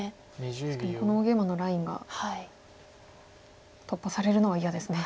確かにこの大ゲイマのラインが突破されるのは嫌ですね。